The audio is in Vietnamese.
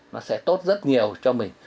nó sẽ tốt rất nhiều cho mình